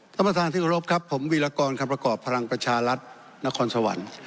ท่านประธานที่กรบครับผมวีรกรคำประกอบพลังประชารัฐนครสวรรค์